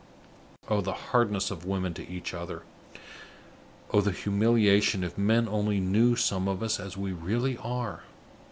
Oh, the hardness of women to each other! Oh, the humiliation if men only knew some of us as we really are!